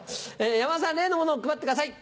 山田さん例のものを配ってください。